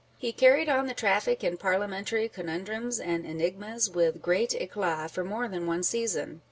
He carried on the traffic in parlia mentary conundrums and enigmas with great eclat for more than one season.